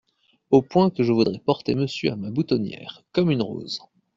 Au point que je voudrais porter Monsieur à ma boutonnière… comme une rose…